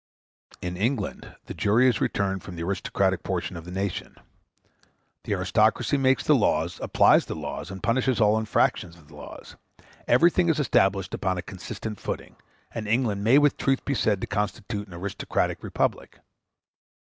] In England the jury is returned from the aristocratic portion of the nation; *f the aristocracy makes the laws, applies the laws, and punishes all infractions of the laws; everything is established upon a consistent footing, and England may with truth be said to constitute an aristocratic republic.